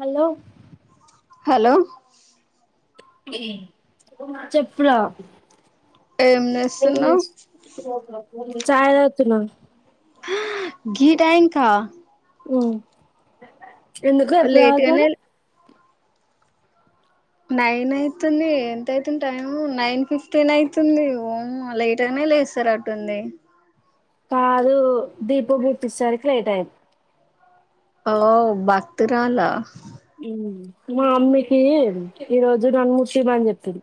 Hello hello చెప్పురా ఏం చేస్తున్నావ్ చయ తగుతున్నా హా గీ టైం కా ఉం ఎందుకు ఎప్పుడు లేట్ గానే తాగుతారు నైన్ అయితుంది ఎంత అయితుంది టైమ్ నైన్ ఫిఫ్టీన్ అయితుంది ఓమ్మో లేట్ అయిన లేస్తారటుంది కాదు దీపమ్ముటిసరికి లెట్ అయి ఒ బక్తరాల మా అమ్మికి ఈరోజు నన్ను ముట్టియని చెప్పింది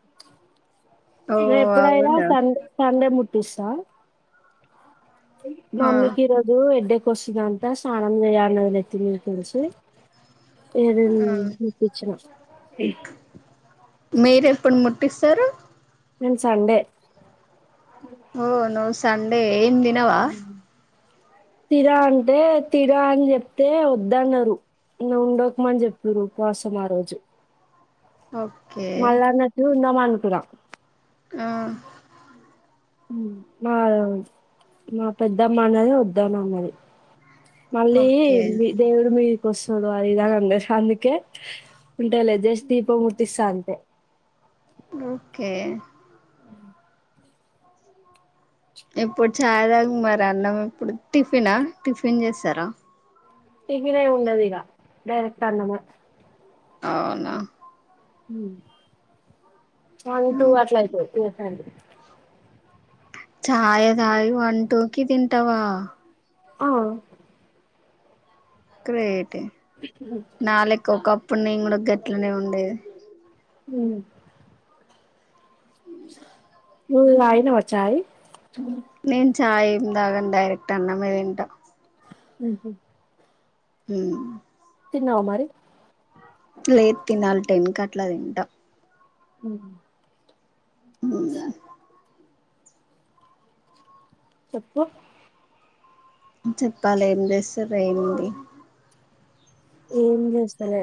ఓ నె ఎప్పుడైనా అవునా సండే సండే ముట్టిస్తా ఆ మమ్మకి ఈ రోజు ఎడ్డె కొస్తుందంట స్నానం చేయ్య అన్నది నెత్తి మీదికెళ్లి ఎగ నేన్ ఆ ముట్టిచ్చిన మీరెప్పుడు ముట్టిస్తారు నేన్ సండే ఓ నువ్ సండే ఏం దినవా తిన అంటే తిన అని చెప్తే వొద్దన్నారు ఇంగా ఉండకుమని చెప్పిర్రు ఉపవాసం ఆ రోజు ఓకే మళ్ళా అన్నట్లు ఉందాం అనుకున్నా ఆ మా మా పెద్దమ్మ అన్నది వద్దనన్నది మళ్ళీ ఓకే మీ దేవుడు మీదికొస్తాడు అది ఇదాన్నది అందుకే ఉంటలె జస్ట్ దీపం ముట్టిస్త అంతే ఒకే ఎప్పుడు చాయ్ తాగ మరి అన్నం ఇప్పుడు టిఫిన్ టిఫిన్ చేస్తారా టిఫిన్ ఎం ఉండదిగా డైరెక్ట్ అన్నమే అవునా వన్ టూ అట్ల అయిపోయి చాయ తగి వన్ టూ కి తింటావా అవును గ్రేటే నాలెక్క ఒకప్పుడు నేను కూడా గట్లనే ఉండేది. హ ఉ వాయిన వచ్చాయి నేను చాయ్ ఏమి తాగం డైరెక్ట్ అన్నం తింటాము. అహు ఉ తిన్నావు మరి లేదు తినాలి టెన్ కట్లా తింటా అ ఇంగ చెప్పు చెప్పాల ఏం చేసారు ఏంది? ఏం జెస్తలే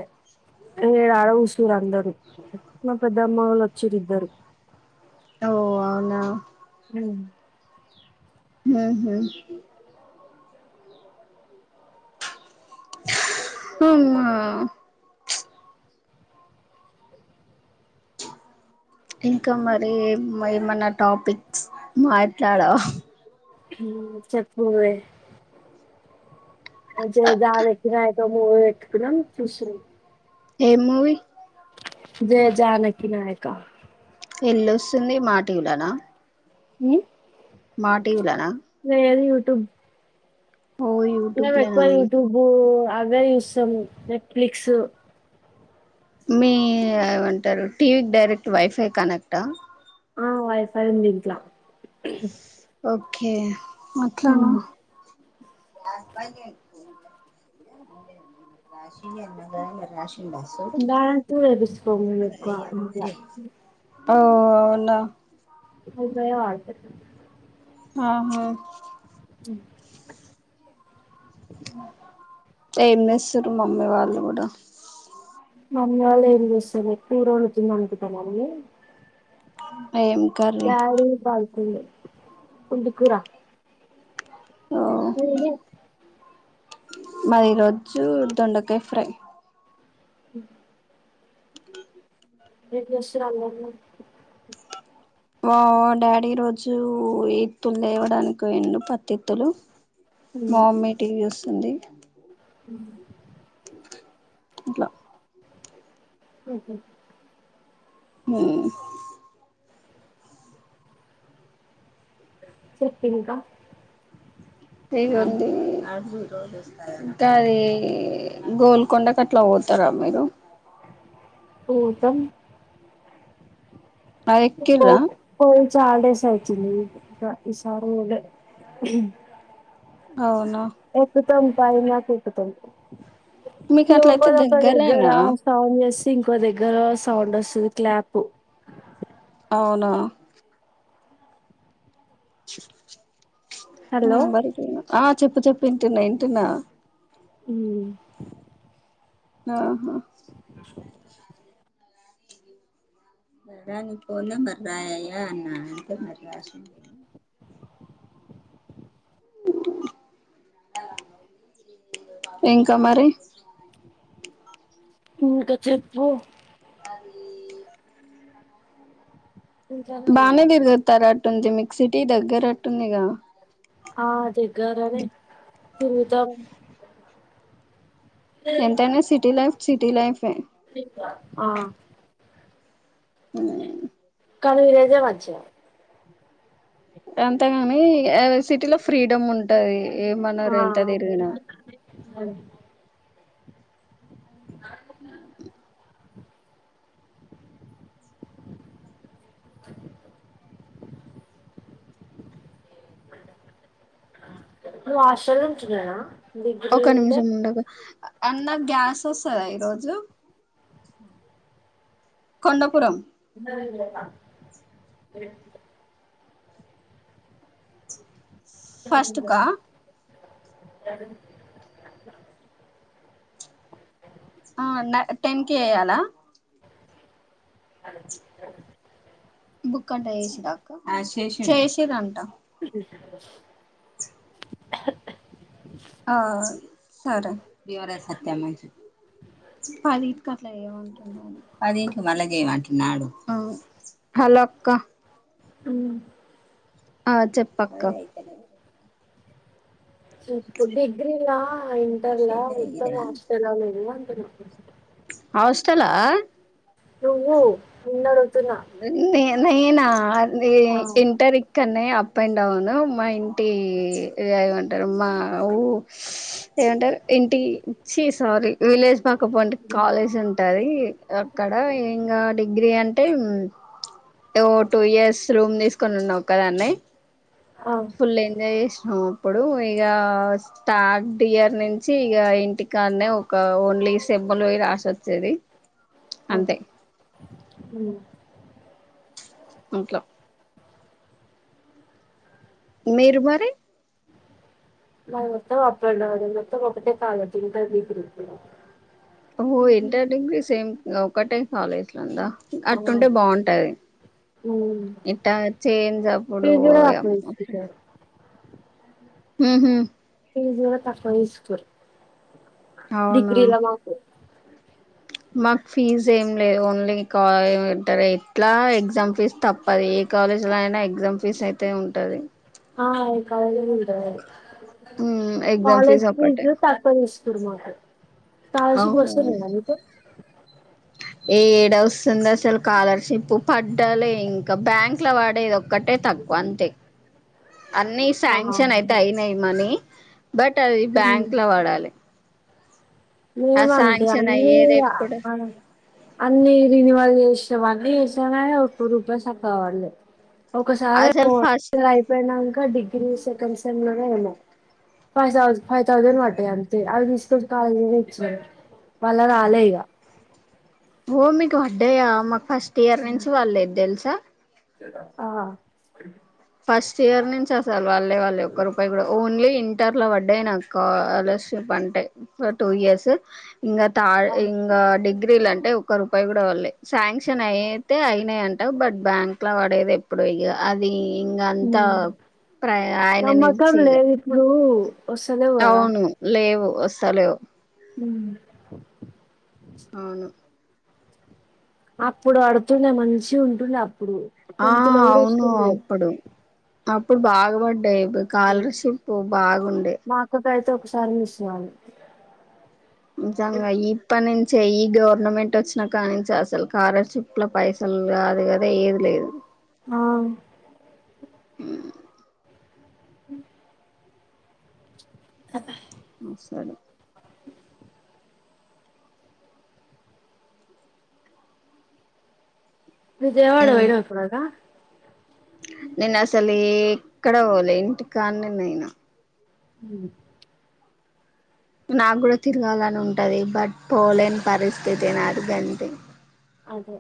ఈడ ఆడ కూసుర్రు అందరూ మా పె పెద్దమ్మ వాళ్ళు వచ్చిర్రు ఇద్దరు ఓ అవునా ఉ ఉహు అమ్మా చ్ ఇంకా మరి మై మన టాపిక్స్ మాట్లాడావ ఉమ్ చెప్పు వే జయ జానకి నాయక మూవీ పెట్టుకున్నాం చూస్తున్నాం. ఏం మూవీ? జయ జానకి నాయకా ఎల్లోస్తుంది మాటివి లోన ఉ మాటివి లన టుబ్ ఓ మేము యూట్యూబ్ ఎక్కువ లోనా యూట్యూబు అవే చూస్తాం నెట్ఫ్లిక్సు. మీ ఏమంటారు టీవీకి డైరెక్ట్ వైఫై కనెక్టా? ఆ వైఫ్ ఉంది ఇంట్ల ఓకే అట్లానా [inaudible] దానంత్పూర్ ఎపిస్సుకోము ఎక్కువ అంతగా ఓ అవునా వైఫై ఏ వాడతారు ఆహ మ్ ఏం ఎస్సుర్రు మమ్మీ వాళ్ళు కూడా మమ్మి వాళ్ళు ఏం చేస్తుర్రు కూర వండుతుంది అనుకుంటున్న మల్లి ఏం కర్రీ? కూర పుంటికూర ఓ నేనె మాది ఈ రోజు దొండకాయ ఫ్రై ఉమ్ ఏం చేస్తుర్రు అన్న వాళ్ళు. మా డాడీ రోజు ఇత్తులు తేవడానికి పోయిండు పత్తి ఇత్తులు. మా మమ్మీ టీవీ చుస్తుంది. ఉమ్. అట్లా ఉహు. ఉమ్. చెప్పు ఇంక. ఏం ఉంది ఇంకా అది గోల్కొండకు అట్లా పొదాం. వస్తారా మీరు. ఉమ్ పోతాం. ఆహ్ ఎక్కింరా. పోయి చాలా డేస్ వచ్చింది ఇంకా ఈసారి పోలే ఉమ్. అవును. ఎక్కుతాం పైనకు ఎక్కుతం. మీకు అట్లయితే లోపల ఒక దగ్గర దగ్గరేనా స్నానం చెస్. ఇంకో దగ్గర సౌండ్ వస్తుంది క్లాప్. అవునా. హలో నెంబర్ ఆహ్ చెప్పు చెప్పు వింటున్నా వింటున్నా. ఉమ్. ఆహా. సరే నీ ఫోన్ నెంబర్ రాయి అయ్యా అన్నా ఏంటో మరి రాసిండో. ఉమ్ ఇంకా మరి. ఇంకా చెప్పు. ఇంట్లోనే ఉన్నావా బానేదిర్గతారట్టు ఉంది మీకు సిటీ దగ్గరట్టుందిగ. ఆహ్ దగ్గారే తిరుగుతాం. ఎంతైనా సిటీ లైఫ్ సిటీ లైఫే. ఆహ్. ఉమ్. కానీ ఈరోజే వచ్చిన. అంతే గాని సిటీ లో ఫ్రీడమ్ ఉంటది. ఏమన్నరు ఎంత తిరిగిన. అవును. నారం ఉమ్. [inaudible] రషన్ నుంచిగాద. ఒక నిమిషం ఉండాగు అన్న గ్యాస్ వస్. ఆహ్ ఈరోజు కొండాపురం. ఉమ్. ఫస్ట్కా. ఏడుంది. ఆహ్ నా టెన్ కీ చేయ్యాలా. ఆహ్. బుక్ంటా చేసిండ్రా అక్క ఆహ్ చేసింరంట. ఉమ్ ఆహ్. అ సరే పది ఇంట్కి మళ్లజెమంటున్నాడు హాలో అక్క అ ఆ చెప్పక్క ఇప్పుడు డిగ్రీ లా ఇంటర్ లా [unintelligible] అంటున్నా అస్టలా నువ్వు నిన్నడు నె నేనా ని ఆ ఇంటరీక్ ఇక్కన్నే అప్ అండ్ డౌను మా ఇంటి ఏమంటారు మా ఊ ఏమంటారు ఇంటి చి సారీ విలేజ్ పక్కపొంటి కాలేజ్ ఉంటది అక్కడ ఇంగా డిగ్రీ అం టే ఓ టూ ఇయర్స్ రూమ్ తీసుకొని ఉన్నా ఒక్కదాన్నే ఆ ఫుల్ ఎంజాయ్ చేసినాం అప్పుడు ఇగా స్టాట్ టియర్ నించి ఇగ ఇంటికాన్నే ఒక ఓన్లీ సెమ్ములు పోయి రాసి వచ్చేది అ అంతే అట్లా మీరు మరి మ మొత్తం అప్పడౌన్ ఎ మొత్తం ఒకటే కాలేజ్ ఇంటర్ డిగ్రీ ఓహో ఇంటర్ డిగ్రీ సేమ్ ఒకటే కాలేజ్ లో ఉందా ఆ! అటుంటే బాగుంటది హ్మ్. ఇట్టా చేేంజప్పుడు ఫీజు కూడా తక్కువ ఓయమ్మో తీసుకుంటారు. ఉహు పిజీలో తక్కువ తీసుకోరు అవునా డిగ్రీలా మాకు మాకు ఫీజ్ ఏం లేదు ఓన్లీ కా ఎం అంటారు ఎట్లా ఎగ్జామ్ ఫీజ్ తప్పది ఏ కాలే జెల్నైనా ఎగ్జామ్ ఫీజ్ అయితే ఉంటది ఆ ఎ కాలేజ్ల్ ఉంటది ఉమ్ ఎగ్జామ్ కాలేజ్ ఫీజ్ ఒక్కటే తక్కువ తిస్ కుర్మాక కాలర్షిప్ అవును వస్తలేదా నీకు ఏడ వస్తుంది అసలు స్కాలర్షిప్ పడ్డాలి ఇంకా బ్యాంక్ లో పడేది ఒక ఒక్కటే తక్కువ అంతే అన్నిీ ఆ! శాంక్షన్ అయితే అయినాయి మనీ బట్ అది బ్యాంక్ ల పడలె మేమంతే అయ్యేది అన్నిగ ఎప్పుడు అన్ని రినివల్ చేసి ఇవన్నీ చేసినగా ఒక్క రూపాయి సక్కగా పల్లె ఒకసారి అసలు ఫస్ట్ అయిపోయినంక డిగ్రీ సెకండ్ సెమ్లనో ఏమో ఫైవ్ థౌజ ఫైవ్ థౌజండ్ పడ్డాయ్ అంతే అవ్విసిపెట్టి కాలేజ్పొ మళ్ళ రాలె ఇగ ఓ మీకు పడ్డాయా మాకు ఫస్ట్ ఇయర్ నుంచి వల్లేద్ తెల్సా ఆ ఫస్ట్ ఇయర్ నుంచి అసలు వళ్ళే వళ్ళే ఒక్క రూపాయి కూడా ఓన్లీ ఇంటర్ల పడ్డాయి నాకు కాలర్షిప్ వన్ టై టూ ఇయర్స్ ఇంగా థా ఇంగా డిగ్రీల అంటే ఒక్క రూపాయి కూడా వళ్ళే శాంక్షన్ అయితే అయినాయి అ బట్ బ్యాంక్ల పడేది ఎప్పుడు ఇగా అది ఇంగా అంతా ప్ర నమ్మకం ఆయననించిగా లేదు ఇప్పుడు వస్తలేవు కదా అవును లేవు ఓస్సలెవ్ ఉమ్ ఔను అప్పుడు అడుతుండే మంచి ఉంటుండే అప్ ఆ ఔను అప్పుడు అప్పుడు బాగ బడ్డాయ్ బుక్ స్కాలర్ షిపు బాగుండే రైతో ఒక్ సారి ఊశ్ నా నిజాంగా ఇప్ప నీన్ చెయ్ గౌర్నమెంట్ కోచ్చినా కానించి అస్సల్ స్కాలర్ షిప్ ల పైసల్ గాదు గా దైయ్ ఏది లేదు ఆ ఉమ్ హుమ్ ఆ బ్బ ఊమ్ సడే విజయ్ వాడ ఓయినవ ఎప్పుడన్నా నేన్ అస్సలే ఎక్కడవోలే ఇంటి కానే నేను హుమ్ నాగూడా తిరగాలని ఉంటది బట్ పోలేన్ పరిస్థితి నాది గంతే అదే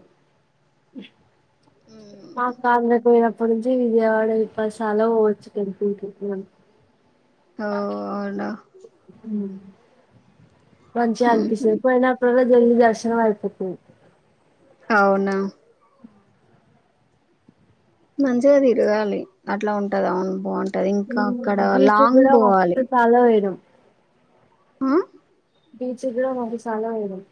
నా కాల్ నెత్తి మీదన్ పుంజి విజయ్ వాడ పసల్లో వోవచ్చు గన్పి టీక్కవోన్ ఓ కాత్ అవునా ఉమ్ మంచ్ అన్పిసది పోయినప్పుడల్లా దేవి దర్శనం ఐపోతది ఔనా మంచిగా దీరాగాలి అట్లా ఉంటద్ ఔన్ బాఉం టదీ ఇంకా అక్కడ బీచ్ లాంగ్ కూడా బోవాలి మస్తు చాలా పోయినం ఆ బీచుగ్రవ్ అది చాలా వైరల్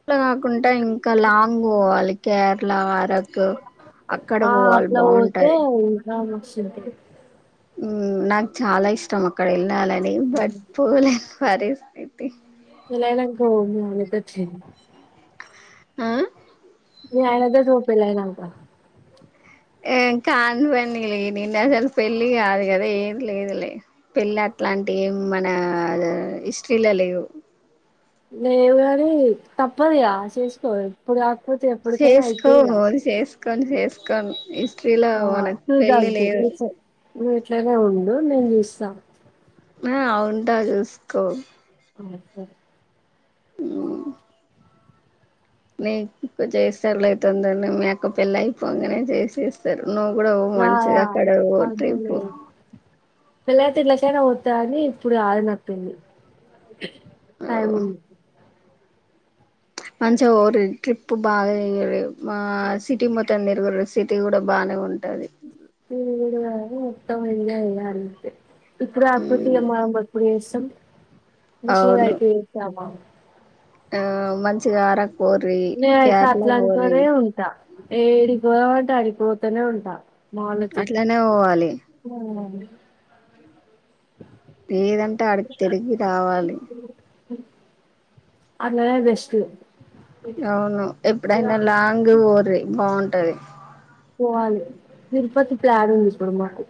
ఇట్ల గాకుండా ఇంకా లాంగ్ బోవాలి కేర్ ళా అట్ ఆ అట్లా పోతే బాగుంటది ఇంక మస్స్ ఉంటది ఉమ్ నాక్ చాలా ఇష్టం అక్కడ ఏళ్ళాలని బట్ పోలేన్ పరిస్థిత్ యేలైలంక మా మమ్మీ మళ్ళీ లేటర్ చేన్ ఆ మీ అయనతోట్ పో పెళ్ళైనంక ఏ కాన్ పనిలే నేన్ అస్సల్ పెళ్ళి గాదు గదా ఏమ్ లేదులే పెళ్ అట్ ట్లాంటి ఏమ్ మన అదో హిస్ట్రీలో లేవు లేేవు గాని తప్పద్ గా చేసుకో ఇప్పు గాగ్ చేేస్కో చేస్కోన్ చేేస్కోన్ ఇస్ ట్రిలా మనక్ పెళ్ళి లేదు నువ్ ఇట్లానే ఉండు నేన్ జుస్స నా ఆ వుంటా జూస్ కో హాయ్ సార్ ఉమ్ నిక్ జేస్తర్ లే తొందర్నె మీ అక్క పెళ్ళై పోంగనే చేసేస్తరు నువ్ గూడా వో నా మంచిగా అక్కడవోతైపో అనుకోలేదు పెళ్ళైతే ఏల్లకైనా వోతాఅని ఇప్పుడు రాదు నా పెళ్లి టైముంది మంచిగా హఓ ట్రిప్ బాగా ఇ ఆ సిటీ మత్త త్తన్నీరు గుర సిటీ కూడా బానే ఉం విరుగుడు గాని మొత్తం వెంగ ఇలా అంతే ఇప్పుడు మ్మ్ ఆకతయ మాం పప్పుడు చేస్తాం నిసలుగా అవును అయితే చేస్తావా ఆ మంచిగా ఆర నేన అయితే అట్లమ్ తోనే ఉంటా ఏడికో అంట అడికిపోతనే ఉంటా. మాలుతికి అట్లనే పోవాలి ఉహు లేదంటే అడికి తిరిగి రావాలి అలానే వెస్ట్లు అవును ఎప్పుడైనా లాంగ్ ఓరి బావుంటది. పోవాలి తిరుపతి ప్లాన్ ఉంది ఇప్పుడు మాకు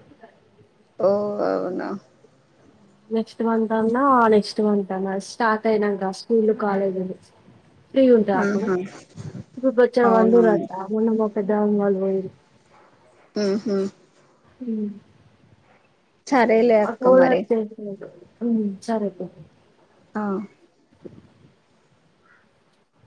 ఓ అవునా నెక్స్ట్ మంత్ అన్నా ఆ నెక్స్ట్ మంత్ అన్న స్టార్ట్ అయినాక స్కూల్లు, కాలేజీలు ఫ్రీ ఉంటా అప్పుడు ఆహా ఇ బచ్చ వందూరు అవునవును అంతా ఉన్న పెద్దవాళ్ళు వాళ ఓయిరి ఆహా ఈ సరేలే అ అక్క మరి కూవచ్చింది మీకు ఉమ్ సరే లే ఆ